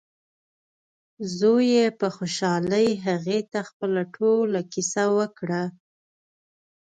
زوی یې په خوشحالۍ هغې ته خپله ټوله کیسه وکړه.